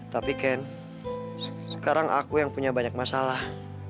tapi ken sekarang aku yang punya banyak masalah